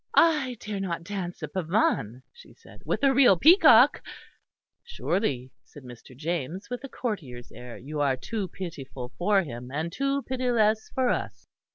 "I dare not dance a pavane," she said, "with a real peacock." "Surely," said Mr. James, with a courtier's air, "you are too pitiful for him, and too pitiless for us."